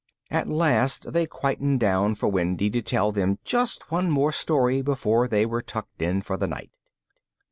At last they quietened down for Wendy to tell them just one more story before they were tucked in for the night.